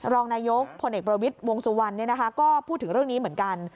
รองนายกพลเอกประวิทย์วงสุวรรณก็พูดถึงเรื่องนี้เหมือนกัน